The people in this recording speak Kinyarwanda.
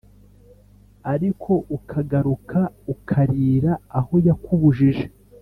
ariko ukagaruka, ukarīra aho yakubujije